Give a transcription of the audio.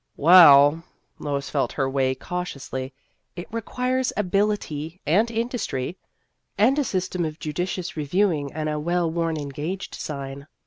" Well," Lois felt her way cautiously, " it requires ability and industry " And a system of judicious reviewing and a well worn ' Engaged ' sign."